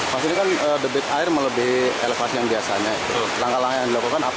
menguasai maksimalnya lebih elevasi yang biasanya langkah langkah yang dilakukan apa